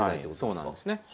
そうなんですね。